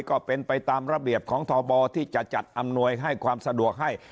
ก็เป็นไปตามระเบียบของทบที่จะจัดอำนวยให้ความสะดวกให้